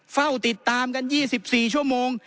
เฝ้าติดตามกัน๒๔ชั่วโมง